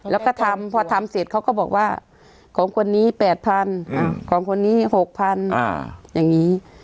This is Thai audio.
แล้วก็ทำพอทำเสร็จเขาก็บอกว่าของคนนี้๘๐๐๐ของคนนี้๖๐๐อย่างนี้